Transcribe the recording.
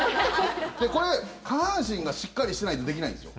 これ、下半身がしっかりしてないとできないんですよ。